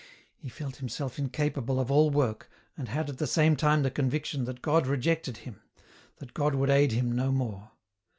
He felt himself incapable of all work, and had at the same time the conviction that God rejected him, that God would aid him no more.